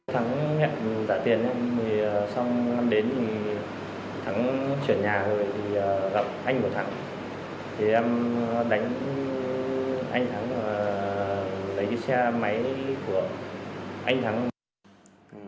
thắng chuyển nhà rồi thì gặp anh của thắng thì em đánh anh thắng và lấy cái xe máy của anh thắng